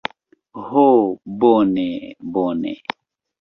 Ho, bone bone.